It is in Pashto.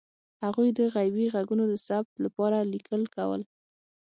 هغوی د غیبي غږونو د ثبت لپاره لیکل کول.